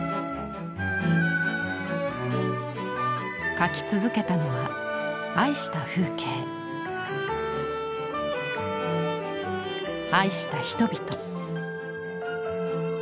描き続けたのは愛した風景愛した人々。